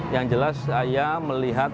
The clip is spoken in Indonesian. yang jelas saya melihat